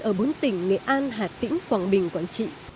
với bà con ở bốn tỉnh nghệ an hạt vĩnh quảng bình quảng trị